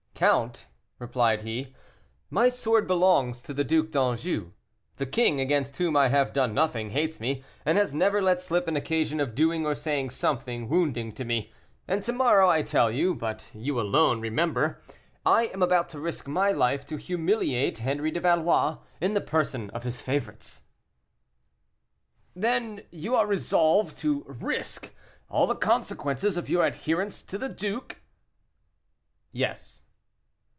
"Count," replied he, "my sword belongs to the Duc d'Anjou. The king, against whom I have done nothing, hates me, and has never let slip an occasion of doing or saying something wounding to me; and to morrow I tell you but you alone, remember I am about to risk my life to humiliate Henri de Valois in the person of his favorites." "Then you are resolved to risk all the consequences of your adherence to the duke?" "Yes."